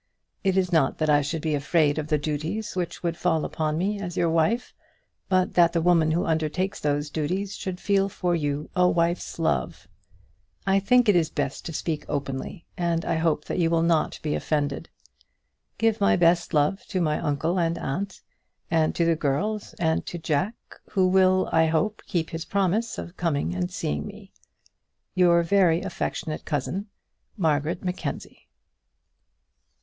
It is not that I should be afraid of the duties which would fall upon me as your wife; but that the woman who undertakes those duties should feel for you a wife's love. I think it is best to speak openly, and I hope that you will not be offended. Give my best love to my uncle and aunt, and to the girls, and to Jack, who will, I hope, keep his promise of coming and seeing me. Your very affectionate cousin, MARGARET MACKENZIE.